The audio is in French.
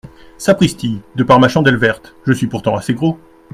Sapristi, de par ma chandelle verte, je suis pourtant assez gros.